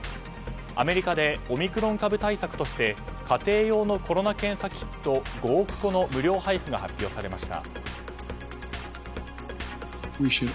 アメリカでオミクロン株対策として家庭用のコロナ検査キット５億個の無料配布が発表されました。